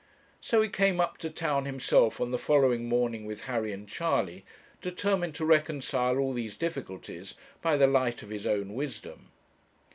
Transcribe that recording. So he came up to town himself on the following morning with Harry and Charley, determined to reconcile all these difficulties by the light of his own wisdom.